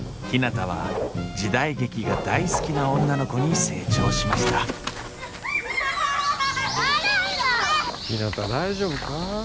ひなたは時代劇が大好きな女の子に成長しました笑うな！